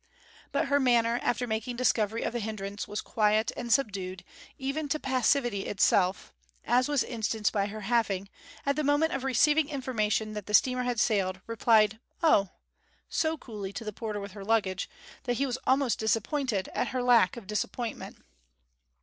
But her manner after making discovery of the hindrance was quiet and subdued, even to passivity itself; as was instanced by her having, at the moment of receiving information that the steamer had sailed, replied 'Oh', so coolly to the porter with her luggage, that he was almost disappointed at her lack of disappointment.